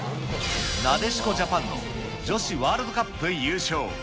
なでしこジャパンの女子ワールドカップ優勝。